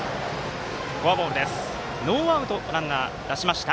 フォアボールノーアウト、ランナー出しました。